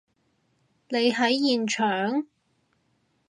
你喺現場？